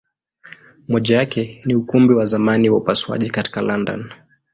Moja yake ni Ukumbi wa zamani wa upasuaji katika London.